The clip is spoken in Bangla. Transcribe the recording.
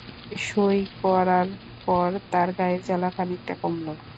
সই করার পর তাঁর গায়ের জ্বালা খানিকটা কমল।